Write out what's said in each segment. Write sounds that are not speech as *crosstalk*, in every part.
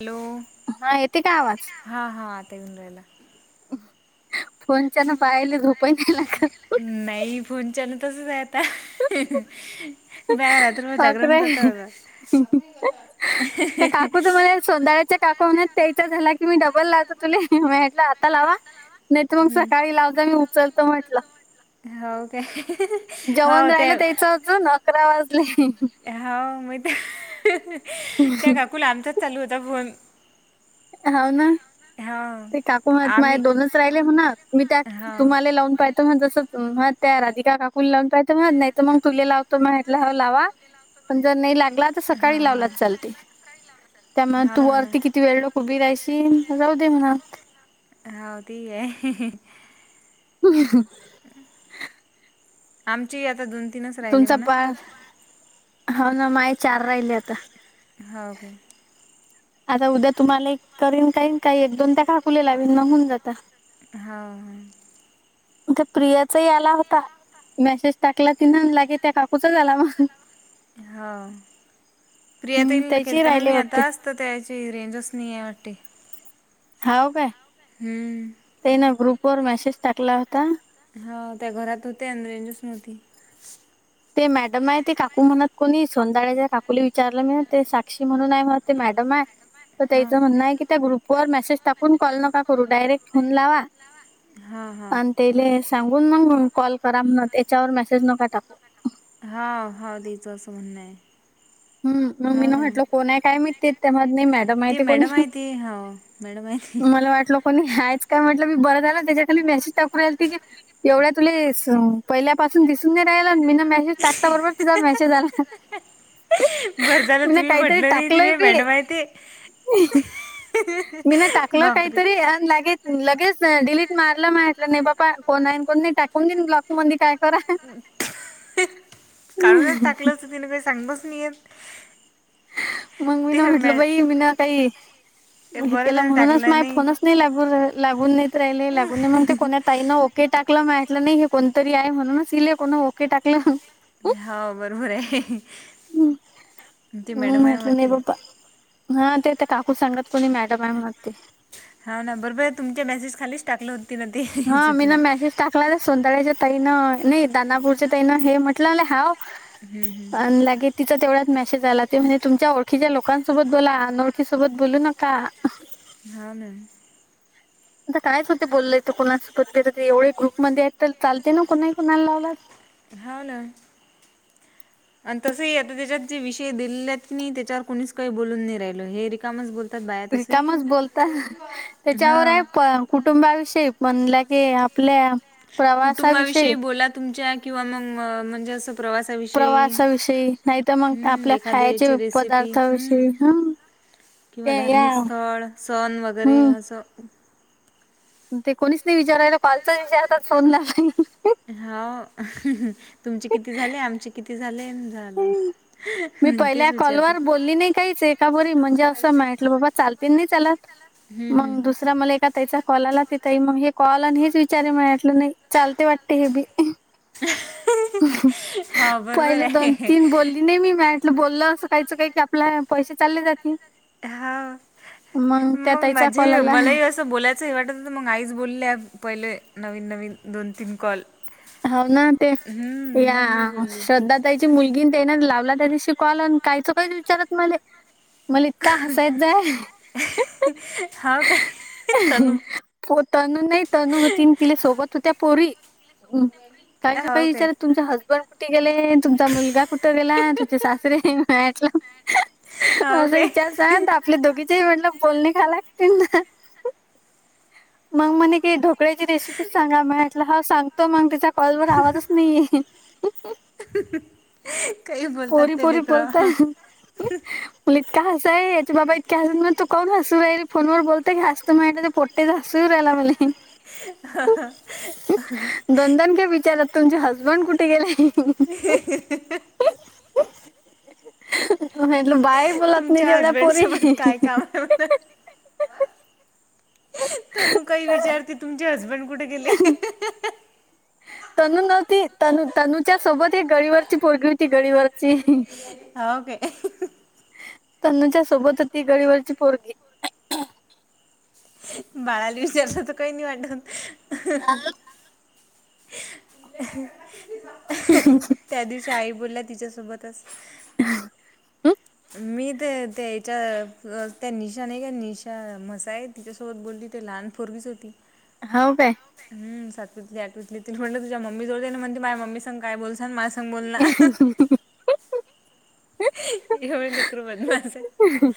Hello. हा येते काय आवाज. हां हां आता येऊन राहिला. फोनच्यान बायाला झोपही नाही लागतं. नाही फोनच्यान तसच आहे आता बाहेर *unintelligible* रात्रभर जागरण करतात आता त्या काकू तुम्हाला सोंदाळ्याच्या. काकू म्हणे त्याचा झाला की, मी डबल लातो तुला मी म्हंटले आता लावा. नाही तर मग सकाळी लाव जा, मी उचलतो म्हटलं. हौ का. हो जेवण ते, राहिलं त्याचं अजून अकरा वाजले हो मी ते. त्या काकूला आमचाच चालू होता फोन. हौव ना. हो ते काकू म्हणत माझे आम्ही दोनच राहिले म्हण, मी त्या हो हां तुम्हाला लावून पाहि मग जसं म त्या राधिका काकूनला लावून पाहा, म नाही तर मग तुला लावतो माहितलं ह लावा‌. पण जर नाही लागला तर सकाळी हां लावलाच चालते त्यामुळे हो ना तू हो ना वरती किती वेळ लक उबी रायशी जाऊ दे म्हणा. हव तेही आहे. *unintelligible* *inaudible* *unintelligible* आमचे आता दोन तीनच राहिले तुमचा म्हणा. पाच हो ना माझे चार राहिले आता. हौ काय. आता उद्या तुम्हाला एक करीन, काहीन काही एक दोन त्या काकुले लावीन मग हून जात. हा हं. ते प्रियाचाही आला होता. मेसेज टाकला ती न लागे, त्या काकूच आला मग. हौ. प्रिया हम्म ताईला त्याची केलता ना राहिले मी वाटते. आताच. तर त्याची रेंजच नाही आहे वाटते. हौव कायं. हम्म. तेना ग्रुप वर मेसेज टाकला होता. हा त्या घरात होते अ रेंजच नवती. ते मॅडम आहे ते काकू म्हणत कोणी, सोनदाळ्याच्या काकूला विचारलं म ते, साक्षी म्हणून आहे म्हण ते मॅडम आहे. तर हां त्याचं म्हणं आहे की, त्या ग्रुप वर मेसेज टाकून कॉल नका करू डायरेक्ट फोन लावा. हां हां आणि तेले सांगून मग म कॉल करा, तेच्यावर मेसेज नका टाकू. हा हा. दि चं असं म्हणणं आहे. हम्म. मग मी हो न ना म्हटल *unintelligible* ती माहिती कोणी, मॅडम आहे ती हो मॅडम आहे ती मला वाटल. कोणी ह्यायच काय म्हटलं मी, बरं झालं त्याच्या खाली मेसेज टकर राय त की एवढ्या तुला पहिल्यापासून दिसून नाही राहिला, मी ना मेसेज टाकता बरोबर तिचा मेसेज आला. बरं झालं मी ना तुम्ही काहीतरी म्हटलं नाही, टाकलंय तिले बी मॅडम आहे ते. मी ना टाकल, बापरे. काहीतरीन लागे लगेच डिलीट मारला माटलं नाही, बाबा फोन न कोण नाही टाकून देन. मंद काय करा. काढूनच टाकलं तरं तिनं, काही सांगच नाहीयेत. मग मी ना म्हटलं मॅ बाई मी ना काही, ते हे बरं केलं झालं म्हणूनच टाकलं माय फोनच. नाही लागून लागून नाहीेत, राहिले लागून नाही मग ते को तईना ओके टाकलं माटलं नाही, हे कोणतरी आहे म्हणूनच इले कोणा ओके टाकलं. हा बरबर आहे. ती हम् मॅडम आहे हम्टलं नाही वाटते. प्पा हा ते ते काकू सांगत कोणी मॅडम आहे, मग ते हा ना बरोबर तुमच्या मेसेज खालीच टाकले, होती ना ते सूचना. सोनळ्याच्या ताईनं नाही, दानापूरच्या ताईनं हे म्हटलं हा. हम्म, हम्म. अ लागे. तिचा तेवढ्यात मेसेज आला ते म्हणजे, तुमच्या ओळखीच्या लोकांसोबत बोला अ ओळखी सोबत बोलू नका. हा मॅम! आता कायच होते बोललय कोणा प ते एवढे ग्रुपमध्येध्ये आहेत चालते ना, कोणाही कोणाला लावला. हा ना. *inaudible* आणि तसही आता त्याच्यात जे विषय दिलेत, की नाही त्याच्यावर कुणीच काही बोलून नाही राहिल, हे रिकामच बोलत. रिकामच बोलत हा त्याच्यावर आहे प कुटुंबाविषयी म्हणलं की आपल्या प्रवासाविषयी कुटुंबाविषयी बोला, तुमच्या किंवा मग म्हणजे असं. प्रवासाविषयी, प्रवासाविषयी नाही तर मग हम्म आपल्या एखाद्या खायचे याची रेसिपी पदार्थाविषयी हम् ह ते किंवा या धार्मिक स्थळ सण वगैरे हम्म असं ते कोणीच नाही, विचारायला कालचा विषय आताच सोडणार नाही. हा तुमचे किती झाले, आमचे किती झाले झालं! मी तेच पहिल्या कॉलवर विचारतात बोलली नाही काहीच एका बरी म्हणजे, असं म्हहटलं बाबा चालते नाही चालात. हम्म हम्म. रा मला एका त्याचा कॉलला तिथई, मग हे कॉल आणि हेच विचार मिळाटलं नाही चालते वाटते हे बी. हा बरोबर पहिले आहे दन तीन बोल. त नेहमी माितलं बोललं असं, काहीच काही की आपल्या पैसे चालले जाते. हा मग ताईचा कॉल माझे आला मलाही अस बोलायचं हे वाटत तर मग आईच बोलले पहिले, नवीन नवीन दोन तीन कॉल. हो ना ते हम्म या मग मी बोलली श्रद्धा. त्याची मुलगी त्याणार लावला, त्याच्या शिकवाला आणि कायचं काही विचारत मला. मलिक का हसायच जाय हाव काय तनू हो तनू नाही तनू होती तिला, सोबत होत्या पोरी. काहीच्या हाव काही काय विचार तुमचा हसबंड कुठे गेले, तुमचा मुलगा कुठं गेला तुमचे सासरेटला. ह. हा काे? जा तर आपले दोघीचेही म्हटलं, बोलणे खा लागतील ना? मग मणे काी ढोकळ्याची रेसिपी, सांगा मटला ह सांग. तो मग तिच्या कॉलवर, आवाजच नाही आहे. काही बोलतात ते लेकर. उ इतकका हस आहे तो बाबा इतका, असं म्ह मग तू कण भास हे फ व बोलत घस तु म पटे जास राेला म *unintelligible* दोन दोनदा विचारात तुमचे हसबंड कुठे गेले? *unintelligible* ल बाय बोलात नाही तुमच्या ते, एवढ्या हजबंड पोरी. सोबत काय काम आहे तर नु काही विचारते, तुमचे हसबंड कुठे गेले? तनू नव्हती तनू तनूच्या सोबत, एक गळीवरची पोरगी होती गळीवरची. हा ओके. तन्नूच्या सोबत होती, गळीवरची पोरगी. बाळाला विचारलं तर काही नाही वाटत. त्या दिवशी आई बोलला तिच्यासोबतच. हा. मी ते ते त्या निशा नाही का निशा म्हसाय तिच्यासोबत बोलली ते लहान पोरगीच होती. हाव काय? हम सातवतली आठवीतली तीन म्हं तुझ मम्मी जवळ दे, म्हण म माझम्मी सग काय बोलस ना माला. सां बोलला! एव निकरू म्हण माझं. ह.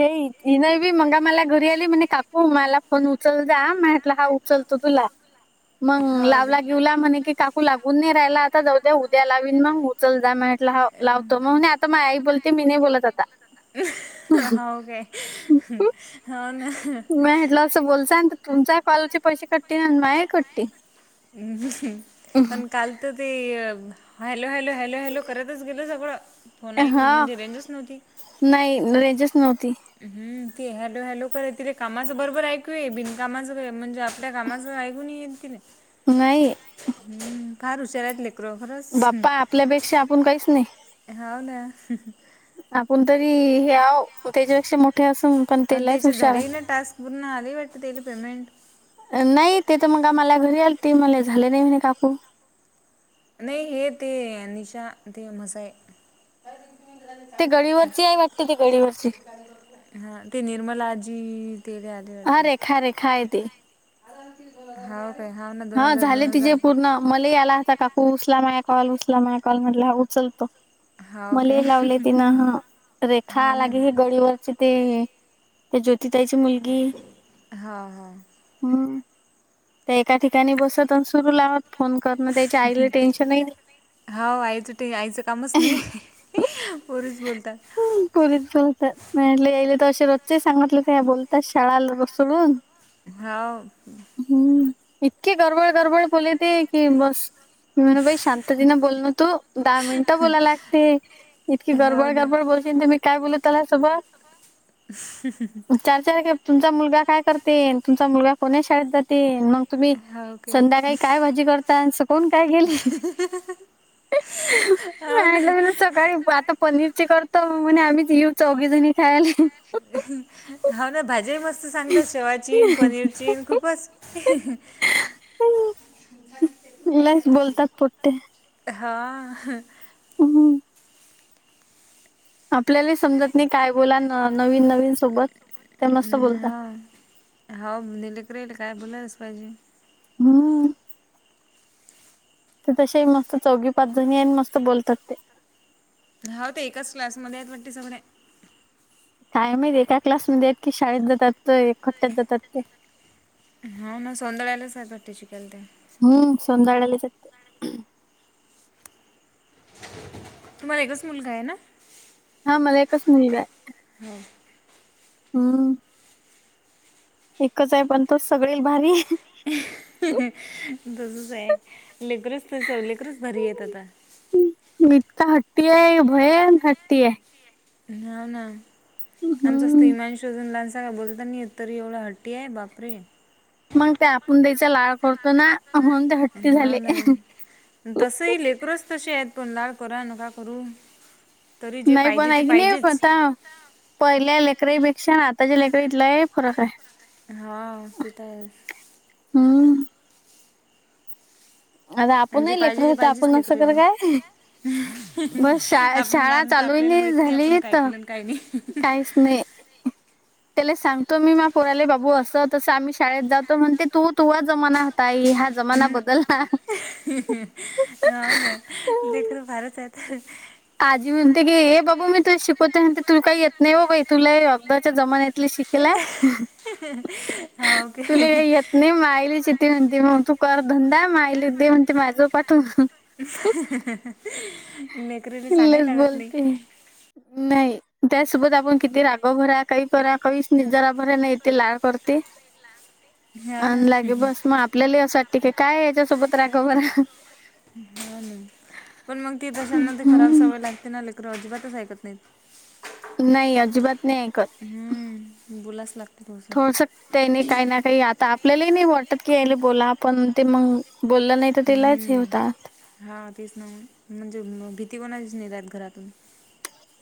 ए ती नाही बी मंगा मला घरी आली म्हणे काकू मला फोन उचल जा म्हटलं हाऊ. लतो तुला. मग हाव काय? लावला गेऊला म्हणे की काकू लागून नाही राहिला, आता जाऊद्या उद्या लावीन मग. चल जा मटला ह लावतो, मग आता मा आई बोलते मी नाही बोलत आता. हो का? हो ना! *unintelligible* तं बोलचाय, तर तुमचा काय कॉलचे पैसे कॉलरचे कटते कटले माझ आणि माये कटते. पण काल तर ते, hello hello hello! Hello hello करतच गेलं सगळं फोनई हा म्हणजे रेंजच नव्हती. नाही रेंजच नव्हती. हम्म ती हॅलो हॅलो कर तिथे कामाचं बरोबर ऐकू येई. बिनकामाचं काय म्हणजे त्या कामाचं ऐगून येईल ति नाही. नाही. हम्म फार हुशार आहेत ल बाप्पा आपल्यापेक्षा आपण काहीच नाही. हा ना! आपण तरी हे आव, त्याच्यापेक्षा मोठे असून पण तेलाहीच हुशार आहे! उर आली वाट तेली पेमेंट. नाही ते तर मग का मला घरी आल ते मला झाले नाही म्हणे काकू. नाही हे ते, निशा ते म्हसाय ते गळीवरची आहे, माटते ते गळीवरची. *inaudible* हा ते निर्मलाजी ते हा रेखा रेखा यती. हाव काय हाव ना दोन हा हजार, दोन झाले तिचे हजार. पूर्ण मला या आला होता काकू उचला माय कॉल उचला माय कॉल म्हटलं हा उचलतो. हाव काय मले लावले तिन, रेखा हाव ना. लागे हे गळीवरचे ते त्या ज्योतिताईची मुलगी हाव हाव. हम्. त्या ठिकाणी बसत सुरू लावत, फोन करण त्याचे आईले टेन्शन नाही. होा आईचं आईचं, कामच नाही पोरूच बोलतात. परीच बोलतात म्हटले येले तर, अे रजचे सांगितले ते बोलतात शाळालासडून. हो. हम्म इतके गरबळ गरबळ बोलेते की बस. *inaudible* बाई शांत. ति बोल ना तू दहा मिनिटं बोलायला लागते, इतकी हाव गडबड ना. गरबड बोलशील तर मी. काय बोलू त्याला सोबत? ह चार चार गे तुमचा मुलगा काय करते आणि तुमचा मुलगा कोणा शाळेत जाते मंग तुम्ही हाव काय संध्याकाळी काय भाजी करता आणि सकळून काय केेली? हाव ना *unintelligible* सकाळी पा त पनीरच करता म्हणे आम्हीच येऊ चौघी जणी खायला. हाव ना भाज्या मस्त सांगतात शेव चीन पनीर चीन खूपच ह मीलाइस बोलतात पटते. हा! हं. आपल्याला समजत नाही, काय बोला नवीन नवीन सोबत. ते मस्त बोलतात हो हो, दिलेकर येल काय बोलालाच पाहिजे. हम. ते तसे मस्त चौघी पाच जणी आहे, मस्त बोलतात ते. हा ते एकाच क्लासमध्ये आहेत, वाटते सगळे. काय माहि एका क्लासमध्येध्ये की, शाळेत जातात तर एकखट्ट्यात जातात ते. हो ना सोनळ्यालाच आहे, पी चिकल ते. हम्म संदाडले सते तुम्हाला एकच मुलगा आहे ना. हा मला एकच, मुलगा आहे. हा! हम. एकच आहे पण, तो सगळे भारी आहे. तसच आहे लेकरच त, लेकरच भरी आहेत आता. गीतका हट्टी आहे, भयन हट्टी आहे. ना ना, आमचा हम्म स्त्रीमा शोजून डान्स का बोलता तरी, एवढं हट्टी आहे बापरे! मग ते आपण द्यायचा लाळ करतो ना? म्हणून ते ना हट्टी हा झाले. ना तसही लेकरच तसे आहेत, पण लाळ करा नका करू. तरी नाही जे नाही बना, पाहिजे ते नाही क नाही पाहिजेच बता. पहिल्या लेकरीपेक्षा आताच्या लेकरीत लय फरक आहे. हा तेथच. हम्म. आता आणिजे आपणही लेकर पाहिजे ते होतो पाहिजेच आपण असं कर लेकराले. काय बस शा आपण शाळा लहान तर चालूही आपल्याला माहित नाही आपण झाली काय तर केलं काही नाही *unintelligible* काहीच नाही. त्याला सांगतो मी माय पोराले बाबू असं तसं आम्ही शाळेत जातो म्हणते तू तू जमाना होताई हा. जमाना हम बदलला. हो ना लखर फारच आहेता. *unintelligible* आजी म्हणते की हे बाबू मी तु शिकवते म्ह तुला काही येत नाही बाबाई तुला अब आताच्या जमान्यात. तूले शिकला हाव काय? तूला येत नाही मग आइले *unintelligible* ते म्हणते मग तू करधंदा माहिली दे म्हणते माझं पाठवून. मेकरीनी सांगाय लईच लागत नाही. बोलते नाही. त्यासोबत आपण किती राग भरा काही करा कही नि जरा भरा नाही ते लाळ करते. हो ना अनलागे बस मग आपल्याला असं ठीके काय याच्यासोबत राख बरा हा पण मग ती तशांना ते खराब हम्म. सवय लागते ना लेकर अजिबातच ऐकत नाहीत *unintelligible* नाही अजिबात नाही. ऐकत. हम्म बोलाच लागतो बोचून त्यानी काही ना काही आता आपल्यालाही नाही वाटत की या बोला आपण ते मग बोललं नाही तर तिलाच हे हम्म. होतात. हा तेच ना मग म्हणजे भीती कोणाचीच नाही रहात घरातून.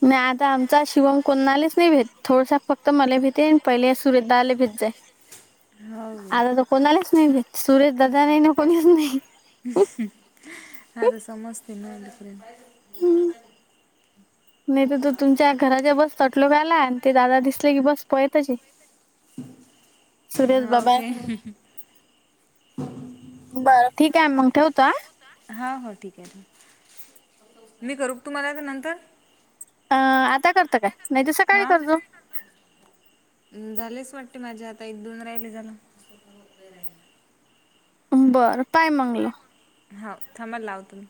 नाही आता आमचा शिवम कोणालाच नाही भेेत. थोडंसं फक्त मला भिते आणि पहिले सुरेशदादाला भित जाय. हो गे आता तर कोणालाच नाही भेट सुरेश दादा नाही ना कोणीच नाही. *inaudible* ह तर समजते ना कडे *inaudible* नाही तर तो तुमच्या घराच्या बस तटलो ग आलाय आणि ते दादा दिसले की बस पळेतच हे. सुरेश हा बाबा ओके *unintelligible* बर ठीक आहे मग ठेवतो हा. हा हा ठीक आहे ठीक आहे. मी करू का तुम्हाला नंतर? अ आता करत काय नाही तर सकाळी करतो. हं झालेच वाटते माझ्या आता एक दोन राहिले झालं. बरं काय म्हणलं? होा थांबल लावते.